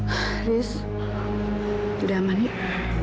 haris sudah aman yuk